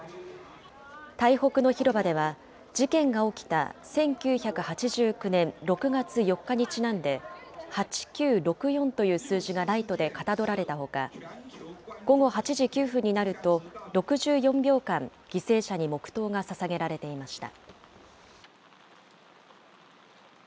台北の広場では事件が起きた１９８９年６月４日にちなんで、８９６４という数字がライトでかたどられたほか、午後８時９分になると、６４秒間、犠牲者に黙とうがささげられていました。